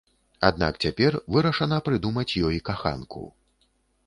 Аднак цяпер вырашана прыдумаць ёй каханку.